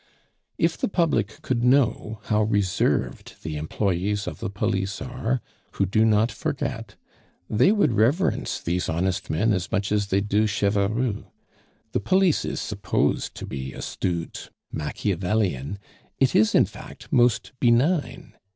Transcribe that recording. If the public could know how reserved the employes of the police are who do not forget they would reverence these honest men as much as they do Cheverus. The police is supposed to be astute, Machiavellian; it is, in fact most benign.